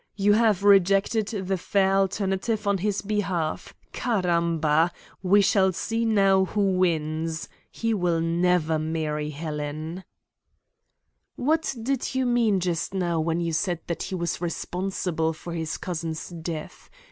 You have rejected the fair alternative on his behalf. Caramba! We shall see now who wins. He will never marry Helen." "What did you mean just now when you said that he was 'responsible for his cousin's death'?